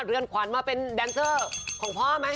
เรือนขวัญมาเป็นแดนเซอร์ของพ่อไหม